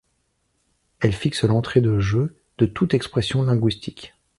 Elle fixe l'entrée de jeu de toute expression linguistique.